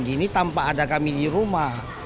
gini tanpa ada kami di rumah